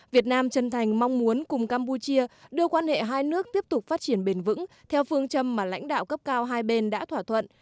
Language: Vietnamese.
việt nam chân thành mong muốn cùng campuchia đưa quan hệ hai nước tiếp tục phát triển bền vững theo phương châm mà lãnh đạo cấp cao hai bên đã thỏa thuận